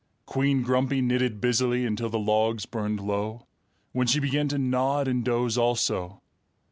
Queen Grumpy knitted busily until the logs burned low, when she began to nod and doze also.